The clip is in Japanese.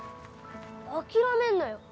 諦めんなよ